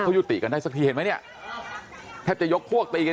ยุติกันได้สักทีเห็นไหมเนี่ยแทบจะยกพวกตีกัน